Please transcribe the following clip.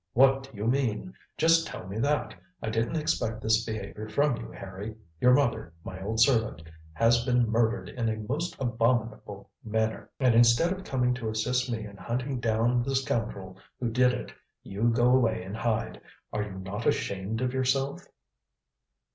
What do you mean? Just tell me that. I didn't expect this behaviour from you, Harry. Your mother, my old servant, has been murdered in a most abominable manner, and instead of coming to assist me in hunting down the scoundrel who did it, you go away and hide. Are you not ashamed of yourself?"